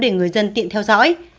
để người dân tiện theo dõi